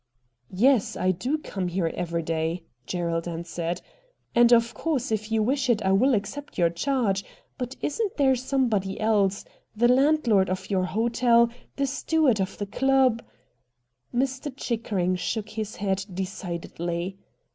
' Yes, I do come here every day,' Gerald answered, ' and, of course, if you wish it I will accept your charge ; but isn't there somebody else — the landlord of your hotel, the steward of the club ?' Mr. Chickering shook his head decidedly.